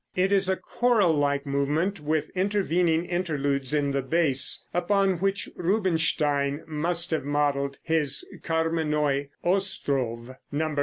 It is a choral like movement with intervening interludes in the bass, upon which Rubinstein must have modeled his "Kamennoi Ostrow," No.